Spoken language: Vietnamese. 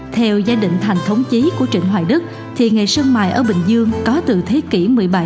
theo giai định thành thống chí của trịnh hoài đức thì nghề sân mại ở bình dương có từ thế kỷ một mươi bảy